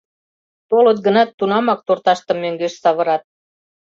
— Толыт гынат, тунамак торташтым мӧҥгеш савырат.